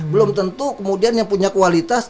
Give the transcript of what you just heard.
belum tentu kemudian yang punya kualitas